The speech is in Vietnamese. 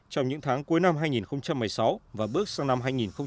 trong những tháng cuối năm hai nghìn một mươi sáu và bước sang năm hai nghìn một mươi bảy